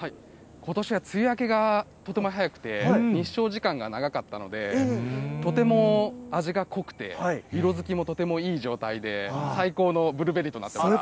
ことしは梅雨明けがとても早くて日照時間が長かったので、とても味が濃くて、色づきもとてもいい状態で最高のブルーベリーとなっております。